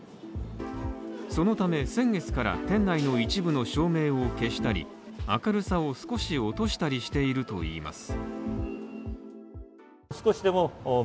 そのため先月から、店内の一部の照明を消したり明るさを少し落としたりしているといいます。